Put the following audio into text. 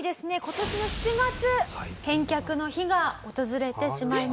今年の７月返却の日が訪れてしまいます。